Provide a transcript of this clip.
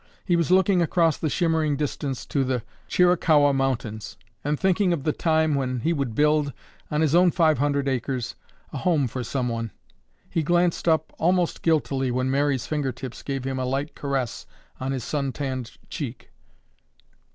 He was looking across the shimmering distance to the Chiricahua Mountains, and thinking of the time when he would build, on his own five hundred acres, a home for someone. He glanced up almost guiltily when Mary's finger tips gave him a light caress on his sun tanned cheek.